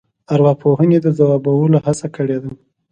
ارواپوهنې د ځوابولو هڅه کړې ده.